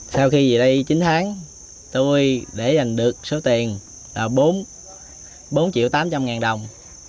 sau khi về đây chín tháng tôi để dành được số tiền là bốn tám trăm linh đồng